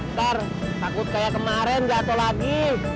ntar takut kayak kemarin jatuh lagi